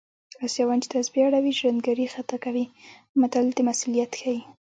اسیاوان چې تسبې اړوي ژرندګړی خطا کوي متل د مسوولیت ښيي